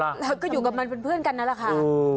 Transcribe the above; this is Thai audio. แล้วก็อยู่กับมันเป็นเพื่อนกันนั่นแหละค่ะ